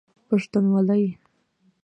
پښتونوالی